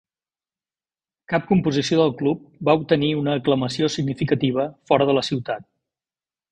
Cap composició del club va obtenir una aclamació significativa fora de la ciutat.